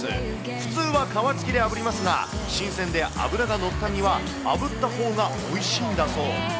普通は皮つきであぶりますが、新鮮で脂が乗った身は、あぶったほうがおいしいんだそう。